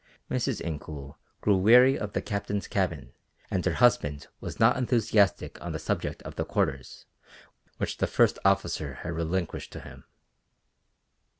Mrs. Incoul grew weary of the captain's cabin and her husband was not enthusiastic on the subject of the quarters which the first officer had relinquished to him.